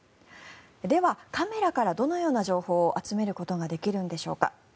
では、カメラからどのような情報を集めることができるのでしょうか。